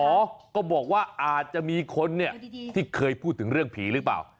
ก็บอกว่าอาจจะมีคนเนี่ยที่เคยพูดถึงเรื่องผีหรือเปล่า